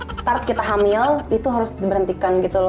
start kita hamil itu harus diberhentikan gitu loh